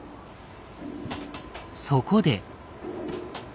そこで。